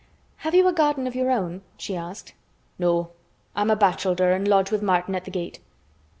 "Have you a garden of your own?" she asked. "No. I'm bachelder an' lodge with Martin at th' gate."